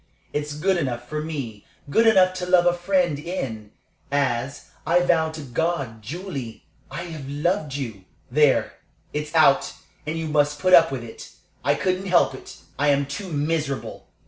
It's good enough for me good enough to love a friend in, as I vow to God, Julie! I have loved you. "There, it's out, and you must put up with it. I couldn't help it. I am too miserable.